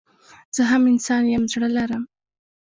زه هم انسان يم زړه لرم